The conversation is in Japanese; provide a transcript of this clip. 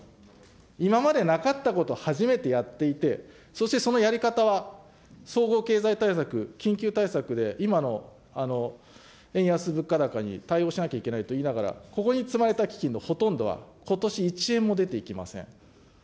今までなかったこと、初めてやっていて、そしてそのやり方は、総合経済対策、緊急対策で今の円安物価高に対応しなきゃいけないと言いながら、ここに積まれた基金のほとんどはことし一円も出ていきません。